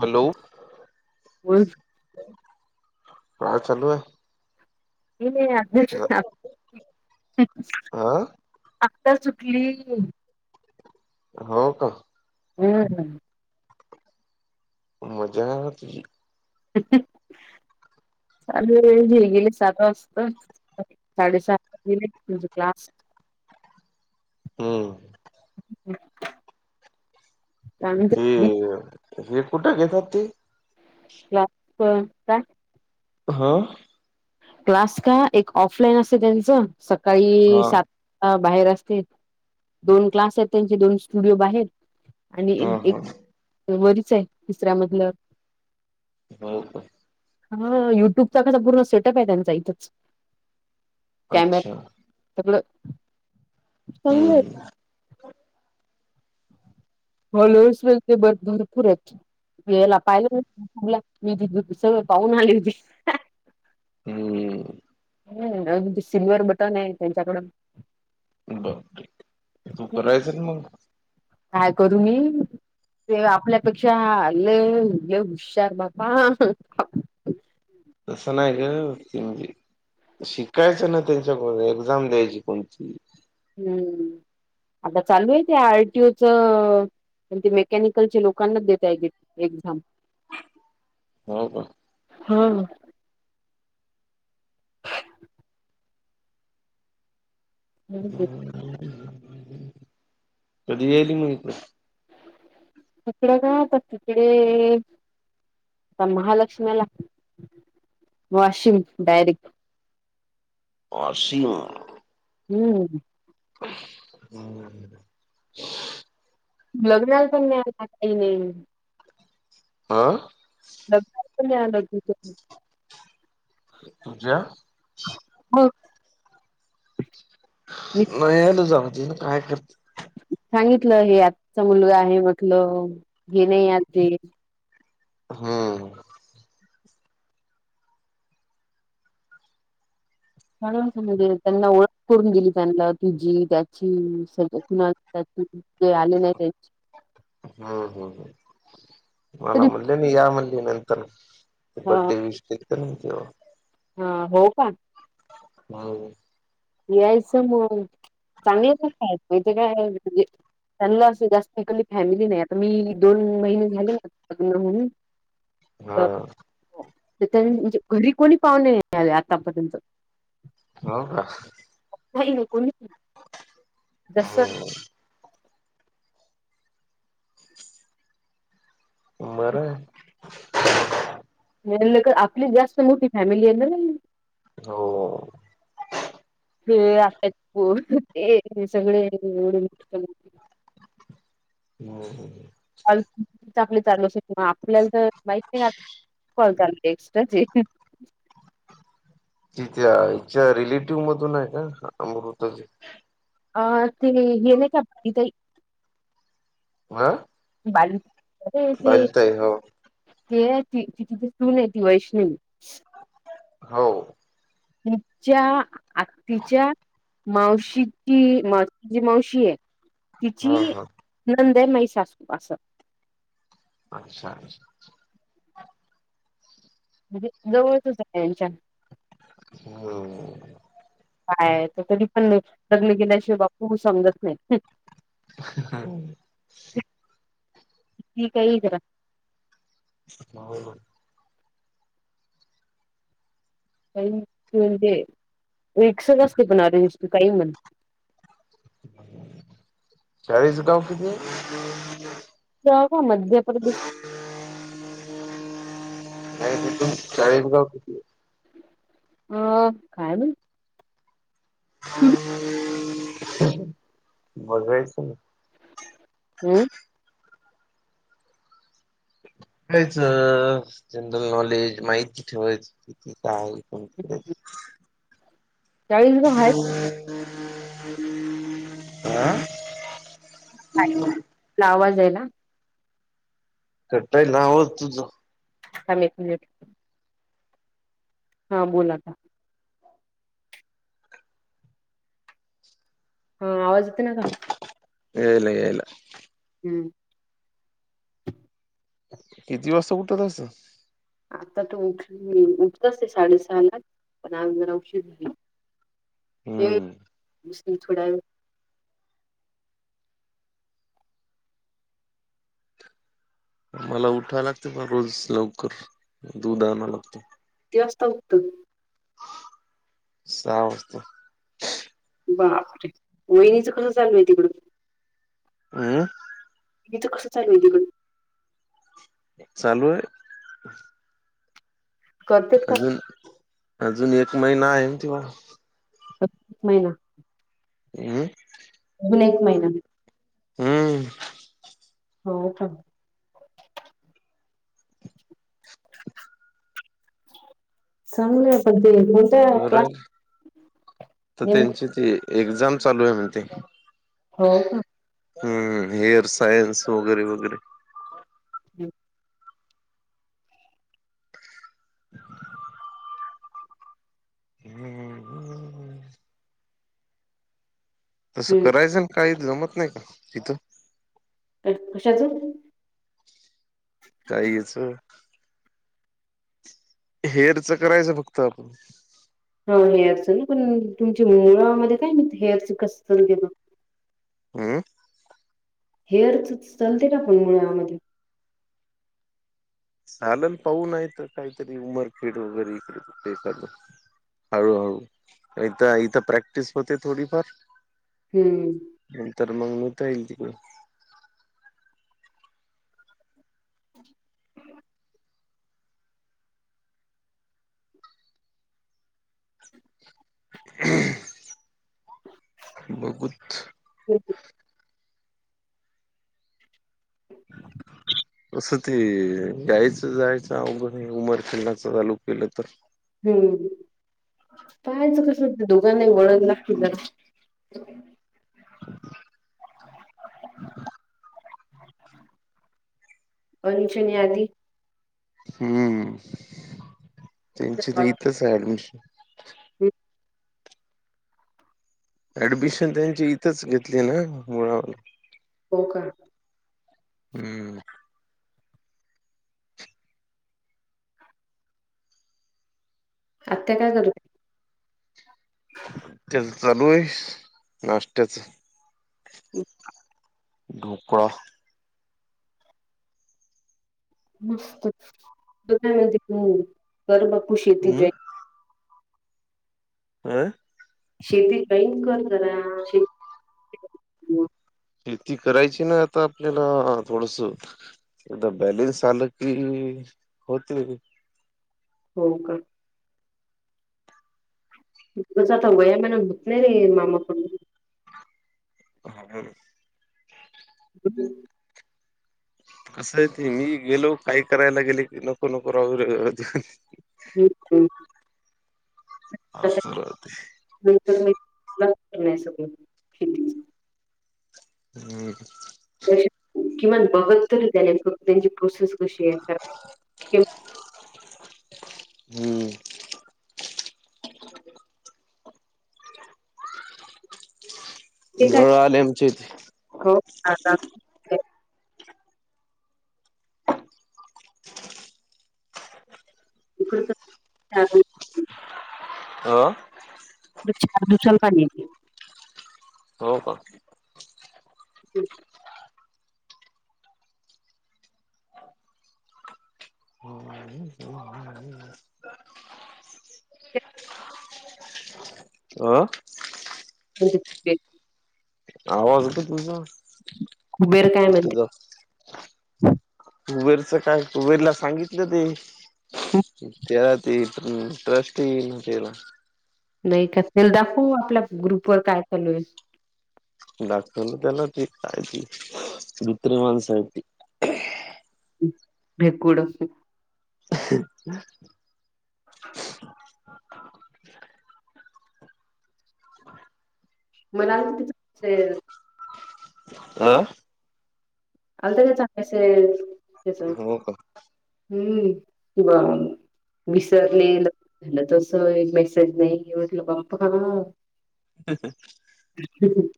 Hello मुलगी प्रय चालू आहे हा [inaudible] आता सुटली हो का ह ह मजा आहा तुम्ही चालू वेळ गेली सात वाजता. साडे सात मनिट माझा क्लास. हम्म. का हे हे कुठे घेतात ते क काय हा क्लास का एक ऑफलाईन अस त्यांचं सकाळी हा सात अ बाहेर असते दोन क्लास आहेत त्यांचे दोन स्टुडिओ बाहेर आणि हा हा एक वरीच आहे तिसऱ्यामधलं हो हो हा युट्यूबचा कसा पूर्ण सेटअप आहे त्यांचा इथंच कॅमेरा अच्छा त्याकड चांगलं आहे हम्म हॉलोस वे ते भरपूर आहेत याला पाहिलं मी त सगळ पाहून आली होती हम् ह अ सिल्वर बटन आहे त्यांच्याकडून बरठीक तू करायच मग काय करू मी ते आपल्यापेक्षा आले हुशार बापा तर च नाही एक तिमली शिकायचं ना त्यांच्या को एक्झाम द्यायची कोणती हम्म आता चालू आहे ते आरटीओच पण ते मेकॅनिकलच्या लोकांनाच देेतय एक्झाम हो का हम् ह ह कधी येली मत तिकड काय तिकडे आता महालक्ष्मीला वाशिम डायरेक्ट पा सीमा हम्म हम् लग्ना पण नाही काही नाही आं लग प लग तुज्या हो मी नाहील जाऊ त ना काय करते सांगितलं हे आजचा मुलगा आहे म्हटलं हे नाही आज हा म्हणजे त्यांना ओळख करून गेली त्यांना तुझी त्याची स कुणा त्याची ते आले नाही हम्म हम् हम् मला तरी म्हणले नाही या म्हणली नंतर हा बडे वसटक तर नाही केव हा हो का हो यायचं मग चांगायच काय मा काय त्यांना असं जास्तली फॅमिली नाही आता मी दोन महिने झाले ना हम हा त्यां म्हणजे घरी कोणी पाहणे आतापर्यंत हो का कोणी जस हम्म उमर म्ह ल आपली जास्त मोठी फॅमिली आहे ना हो हे आय पो ते सगळे एवढे मोठ हो हो हो अ आपली चालू शक ना आपल्याला तर माहीक नाही कॉल चाल एक्स्ट्रा ज तिथेच्या रिलेटिव्ह मधून आहे का अमृताचे अ ते हेन काथई आा बा ते हो ते त तिथ सून य ती वैष्णववी हो तिच्या आत् तिच्या मावशीची मावशीची मावशी आहे तिची हा हा नंदे मै सासू असत अच्छा म्हणजे जवळचच यांच्या होम काय तरी पण लग्न गेल्याशिवाय बापू समजत नाही हा ठी काय जरा हो का त म्हणजे व्स असत पण अरेंज तू काही म्हण चाळीज काऊ किती मध्य प्रदेश नाही तिथून चाळी गाव कितीली ह खान बघाच ना हम्म बयचं जनरल नॉलेज माहिती ठेवायचं किती काय कोणती करायच चाळीस गाव आहेत हं आवाजयला कटय ना होत हमी हां बोल आता. हा आवाज येतो ना का. येला येलाय. हम्म किती वास्त उठंत असत. आता तर उठलीय उठत असते साडेसहा ला पण आज जरा उशीर झाली. हम्म बसते थोडा वेळ. मला उठा लागते पण रोज लवकर दूध आणाव लागत. किती वाजता उठतो. सहा वास्ता. बापरे वहिनीचं कसं चालू आहे तिकड हम इथ कसच वदी चालू आहे करतेत आता का झालं ना? अजून एक महिना आहे तेव्हा स महिना. हम्. अजून एक महिना. हम्म हो त. [unintelligible] चांगले पण ते कोणत्या क्लास, खरंय तर नेमक त्यांची ते एक्झाम चालू आहे म्हणते. हो का. हम्म हेअर सायन्स वगैरे वगैरे. हम्. [unintelligible] हम् ह. तसं हम्म करायचं ना काही जमत नाही का तिथं. कशाच. काहीचं. हेरचं करायचं फक्त आपण, हा हेअरच ना पण तुमच्या मुळामध्ये काय नाही हेअरच कसं चलतंय बा. हम्म हेअर चालते ना पण मुळ आमध्ये. चाललं पाहूय नाह्यतर काहीतरी उमरखेड वगैरे इकडे ते एकंद. हळू हळूता इथ प्रॅक्टिस होते थोडीफार. हम्म नंतर मग नेता येईल तिकडे. ह बघुत, ह, [unintelligible] असं ते यायचं जायचं अवघड हाय उमर खेड ला चालू केलं तर. हम्म पाहाचं कस ते दोघांना वळत लाग तर. ह, [inaudible] अंजन यादी, हम्म [inaudible] त्यांची तर वाट इथच आहे ऍडमिशन. [inaudible] ऍडमिशन त्यांची इथंच घेतली ना मुळा वं ला. हो का? हम्म. आत्ता्या काय करत्या. त्याच चालू आहे नाश्त्याच. ह, ढोकळा. मस्त म्हण कर बापू शेती हम्म ज आं, शेती काहीच कर करा शती शेती करायची ना आता आपल्याला थोडस एक बॅलीन साल की होते. हो का? तच आता वयामान होत नाही रे मामाकडून. हा बोल [inaudible] कसं आहे ते मी गेलो काही करायला गेले की नको नको राहू हम् असं राहते [unintelligible] [unintelligible] [unintelligible] हं हं. किमान बघत तरी त्याले एक त्यांची प्रोसेस कशी आहे हं. ते काय नळ आले आमचे इथे. हो, आता इकड तर [unintelligible] हो? दर चार दिवसाल पाणी येतय. हो का? हं [unintelligible] अ? अन ते पॉझिटिव्ह ठेवीत जा. बेर काय म्हणते? कुबेरचं काय? कुबेरला सांगितलं ते, त्याला ते अं ट्रस्ट तीन तेला. नही का? त्याला दाखवू आपल्या ग्रुपवर काय चालू आहे. दाखवलं त्याला काय ती भित्री माणसं आहेत ती. हं, भेकुड हं. [unintelligible] [inaudible] [inaudible] अ? अन त्याच्याच हक्काच ये ते सगळं. हो का? हं, ब विसरले ल झालं तस. एक मेसेज नाही. मी म्हटलं बाप्पा, [unintelligible] [unintelligible] [inaudible]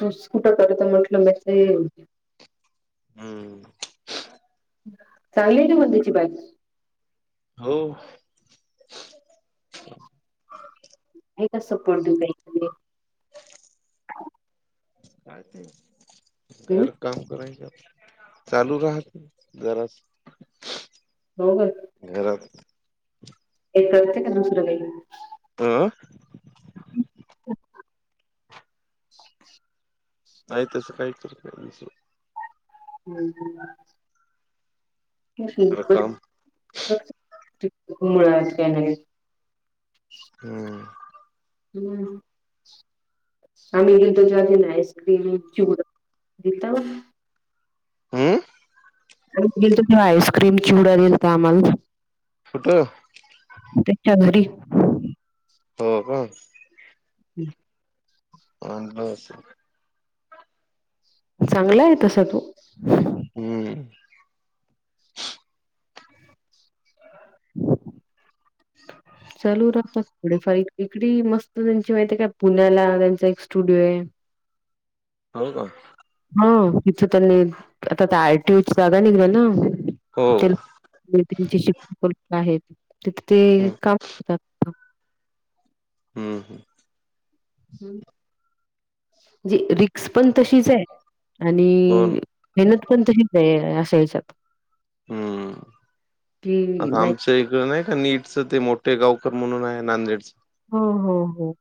तूच कुठं करतो म्हंटलं मेसेज. हम्म चांगलीय ना म त्याची बायकू, हो. आहे का सपोर्टीव काही? काय ते अं? बरंय काय चालू राहते जरास. दोघं घरात काही करते का दुसरं काही? अ? [inaudible] नाही तस कायतर काय दिस हम् काम मुळज काही नाही हं. हं. आम्ही गेलो त्या ती आईस्क्रीम च्यू हम्म आणि आइस्क्रीम चिवडा दिल त आम्हाला फुटो ते चांदरी हो का हम् हच सर चांगला आहे तस तू हम्म हो [unintelligible] लू रस्ता थोडे फ इकडी मस्त त्यांची माहिती काय पुण्याला त्यांचा एक स्टुडिओ आहे हो का हा तिथं त्यांनी आता त्या आयटीूड जागा निघल्या ना हो ते त्यांचे शिक्षण आहेत तिथे ते हम्म काम करतात. हम्म हम हम्म म्ह रिक्स पण तशीच आहे आणि हो ना मेहनत पण तशीच आहे असा या्याच्यात हम की आता नाही आमच्या इकड नाही का नीटचं ते मोठे गावकर म्हणून आहे नांदेडचं हम हम ह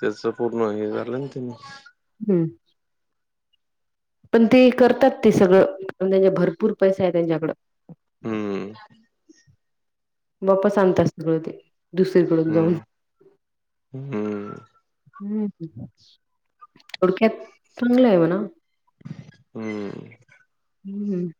त्याच पूर्ण हे झालं ना तेनी हम्म पण ते करतात ते सगळं त्यांच्या भरपूर पैसा आहे त्यांच्याकडं हम्म बाप स आणतात सगळं ते दुसरीकडून जाऊन हम्म हम्म हम्म थोडक्यात चांगलं आहे म्हणा हम्म हम्मम